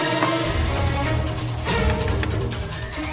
tidak ada yang bisa dihukum